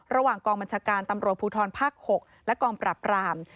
ระหว่างกองบัญชาการตำรวจภูทรภาค๖และกองปราบราม